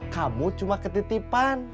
kamu cuma ketitipan